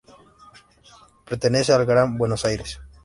Pertenece al Gran Buenos Aires.